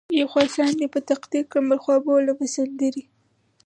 یو خوا ساندې په تقدیر کړم بل خوا بولمه سندرې